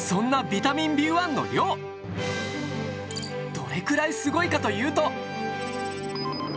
どれくらいすごいかというと。